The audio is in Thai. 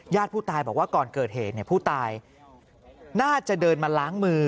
ผู้ตายบอกว่าก่อนเกิดเหตุผู้ตายน่าจะเดินมาล้างมือ